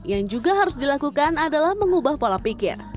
yang juga harus dilakukan adalah mengubah pola pikir